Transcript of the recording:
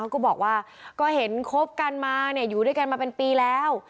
ก็บอกว่าก็เห็นคบกันมาอยู่ด้วยกันมาเป็นปีแล้ว